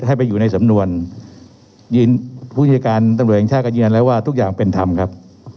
ให้ไปอยู่ในสำนวนผู้จัดการตำรวจแห่งชาติก็ยืนยันแล้วว่าทุกอย่างเป็นธรรมครับ